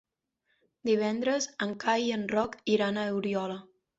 Divendres en Cai i en Roc iran a Oriola.